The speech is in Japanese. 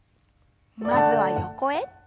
まずは横へ。